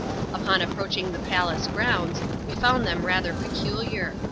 On approaching the palace grounds, we found them rather peculiar.